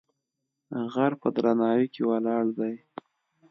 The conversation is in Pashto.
غر په درناوی کې ولاړ دی.